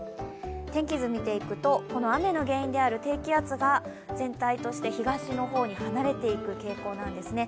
天気図見ていくとこの雨の原因である低気圧が全体として東の方に離れていく傾向なんですね。